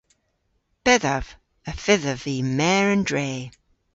Bedhav. Y fydhav vy mer an dre.